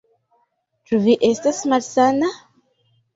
Ĉu vi estas malsana?